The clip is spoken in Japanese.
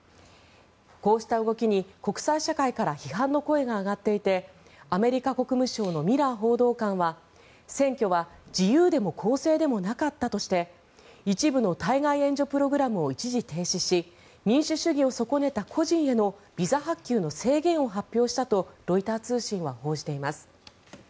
こうした動きに、国際社会から批判の声が上がっていてアメリカ国務省のミラー報道官は選挙は自由でも公正でもなかったとして一部の対外援助プログラムを一時停止し民主主義を損ねた個人へのビザ発給の制限を発表したとロイター通信は報じています。